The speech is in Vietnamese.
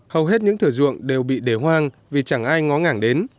hầu hết những thử ruộng đều bị đề hoang vì chẳng ai ngó ngảng đến